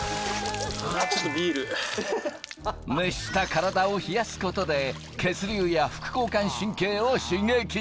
熱した体を冷やすことで血流や副交感神経を刺激。